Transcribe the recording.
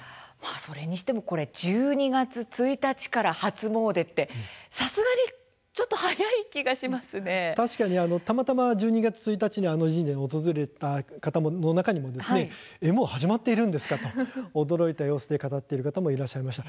それにしても１２月１日から初詣って、さすがに確かにたまたま１２月１日に神社を訪れた方の中にも「え？もう始まっているんですか？」と驚いている方もいらっしゃいました。